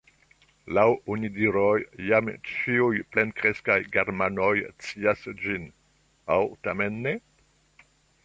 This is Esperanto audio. Laŭ onidiroj jam ĉiuj plenkreskaj germanoj scias ĝin – aŭ tamen ne?